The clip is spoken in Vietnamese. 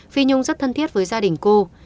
phi nhung rất thân thiết với gia đình cô